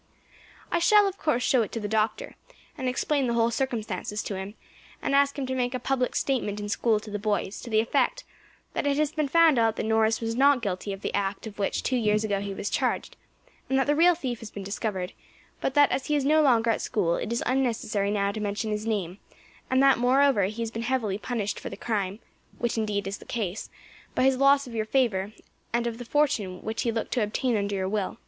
"I shall of course show it to the Doctor, and explain the whole circumstances to him, and ask him to make a public statement in school to the boys, to the effect that it has been found out that Norris was not guilty of the act of which two years ago he was charged, and that the real thief has been discovered, but that as he is no longer at school it is unnecessary now to mention his name, and that, moreover, he has been heavily punished for the crime which indeed is the case by his loss of your favour and of the fortune which he looked to obtain under your will.